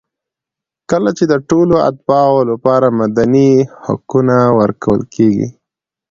کله چې د ټولو اتباعو لپاره مدني حقونه ورکول کېږي.